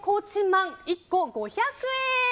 まん１個５００円。